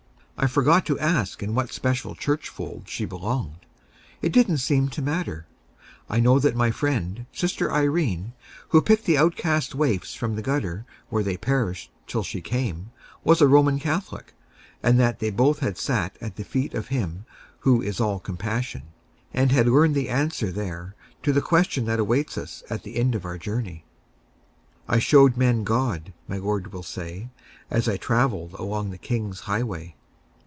I forgot to ask in what special church fold she belonged. It didn't seem to matter. I know that my friend, Sister Irene, who picked the outcast waifs from the gutter where they perished till she came, was a Roman Catholic, and that they both had sat at the feet of Him who is all compassion, and had learned the answer there to the question that awaits us at the end of our journey: "'I showed men God,' my Lord will say, 'As I traveled along the King's highway.